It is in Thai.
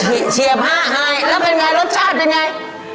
เชียบห้าแห้งแล้ววันไหนรสชาติเป็นไง